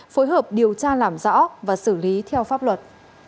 phối hợp điều tra làm rõ và xử lý theo pháp luật